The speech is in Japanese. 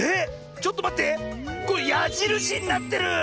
ちょっとまって！やじるしになってる！